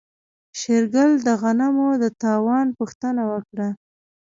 شېرګل د غنمو د تاوان پوښتنه وکړه.